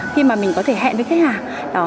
khi mà mình có thể hẹn với khách hàng